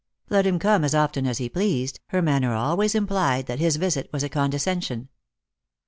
Let him come as often as he pleased, her manner always implied that his visit was a condescension.